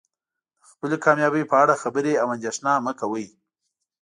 د خپلې کامیابۍ په اړه خبرې او اندیښنه مه کوئ.